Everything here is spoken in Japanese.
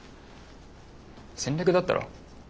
戦略だったろ？